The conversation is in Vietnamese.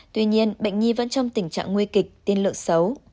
tuy nhiên bệnh nhi vẫn trong tình trạng nguy kịch tiên lượng xấu